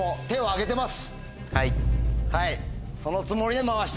はい。